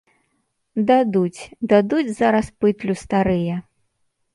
Дадуць, дадуць зараз пытлю старыя.